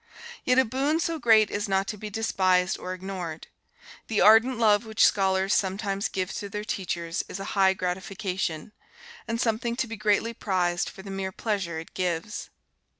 Yet a boon so great is not to be despised or ignored. The ardent love which scholars sometimes give to their teachers is a high gratification, and something to be greatly prized for the mere pleasure it gives.